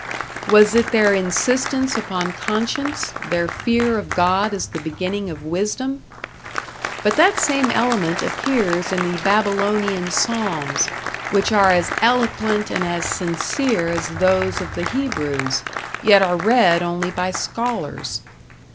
Was it their insistence upon conscience, their fear of God as the beginning of wisdom? But that same element appears in the Babylonian psalms, which are as eloquent and as sincere as those of the Hebrews, yet are read only by scholars.